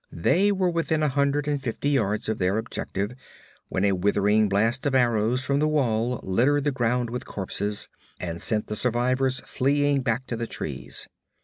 They were within a hundred and fifty yards of their objective when a withering blast of arrows from the wall littered the ground with corpses and sent the survivors fleeing back to the trees.